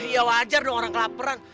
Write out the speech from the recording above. ya wajar dong orang kelaperan